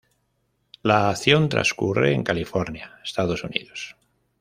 La acción transcurre en California, Estados Unidos.